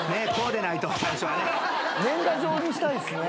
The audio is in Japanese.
「年賀状にしたいですね」